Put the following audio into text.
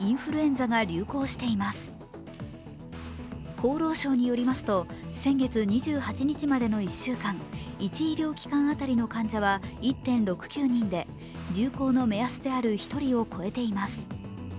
厚労省によりますと、先月２８日までの１週間、１医療機関当たりの患者は１．６９人で流行の目安である１人を超えています。